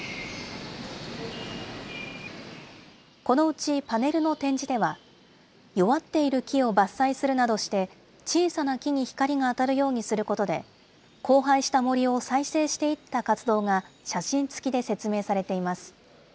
このうちパネルの展示では、弱っている木を伐採するなどして、小さな木に光が当たるようにすることで、荒廃した森を再生していった活動が写真付きで説明されています。